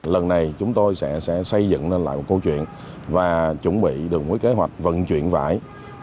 lần này chúng tôi sẽ xây dựng lại một câu chuyện và chuẩn bị đồng hối kế hoạch vận chuyển vải